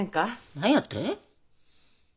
何やて？